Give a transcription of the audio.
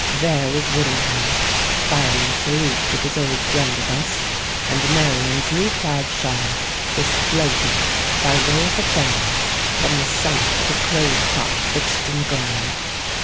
There was Whittingham firing a salute with his old blunderbuss; and Marian's new plaid shawl was floating, by way of a banner, from the summit of a clothes' prop fixed in the ground.